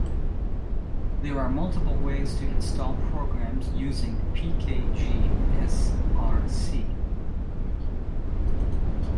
There are multiple ways to install programs using pkgsrc.